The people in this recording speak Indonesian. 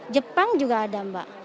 jepang juga ada mbak